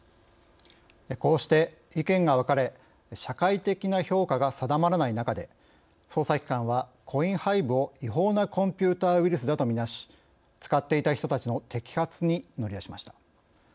こうして意見が分かれ社会的な評価が定まらない中で捜査機関は、コインハイブを違法なコンピューターウイルスだとみなし、使っていた人たちの摘発に乗り出しました。